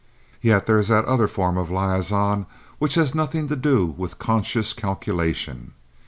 Yet there is that other form of liaison which has nothing to do with conscious calculation.